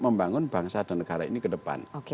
membangun bangsa dan negara ini ke depan